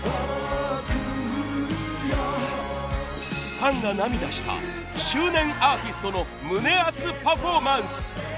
ファンが涙した周年アーティストの胸熱パフォーマンス。